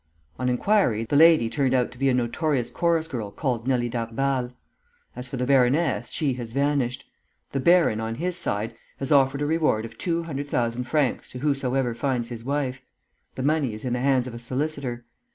On enquiry, the lady turned out to be a notorious chorus girl called Nelly Darbal. As for the baroness, she has vanished. The baron, on his side, has offered a reward of two hundred thousand francs to whosoever finds his wife. The money is in the hands of a solicitor.